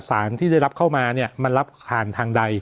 สารที่ได้รับเข้ามาเนี่ยมันรับผ่านทางใด